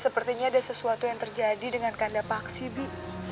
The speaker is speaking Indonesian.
sepertinya ada sesuatu yang terjadi dengan kanda paksi bi